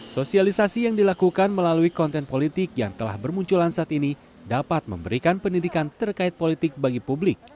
sosialisasi yang dilakukan melalui konten politik yang telah bermunculan saat ini dapat memberikan pendidikan terkait politik bagi publik